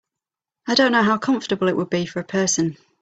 I don’t know how comfortable it would be for a person.